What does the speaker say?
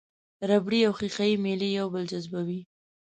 ربړي او ښيښه یي میلې یو بل جذبوي.